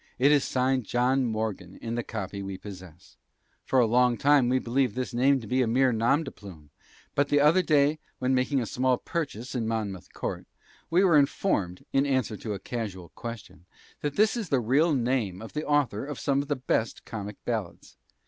It is signed 'John Morgan' in the copy which we possess. For a long time we believed this name to be a mere nom de plume; but the other day, when making a small purchase in Monmouth Court, we were informed, in answer to a casual question, that this is the real name of the author of some of the best comic ballads.